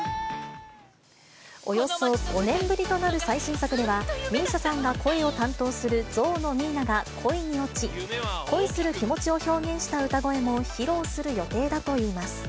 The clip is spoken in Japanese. およそ５年ぶりとなる最新作では、ＭＩＳＩＡさんが声を担当するゾウのミーナが恋に落ち、恋する気持ちを表現した歌声も披露する予定だといいます。